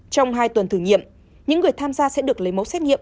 trong hai tuần thử nghiệm những người tham gia sẽ được lấy mẫu xét nghiệm